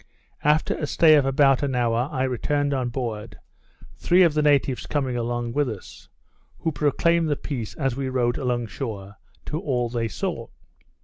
After a stay of about an hour, I returned on board, three of the natives coming along with us, who proclaimed the peace as we rowed along shore to all they saw.